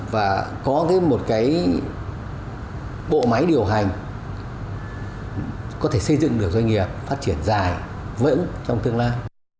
và có thêm một cái bộ máy điều hành có thể xây dựng được doanh nghiệp phát triển dài vững trong tương lai